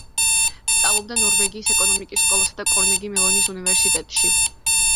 სწავლობდა ნორვეგიის ეკონომიკის სკოლასა და კარნეგი-მელონის უნივერსიტეტში.